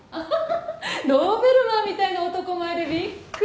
ドーベルマンみたいな男前でびっくり！